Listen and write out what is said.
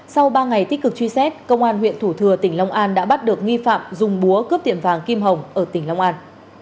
sau ba ngày tích cực truy xét công an huyện thủ thừa tỉnh long an đã bắt được nghi phạm dùng búa cướp tiệm vàng kim hồng ở tỉnh long an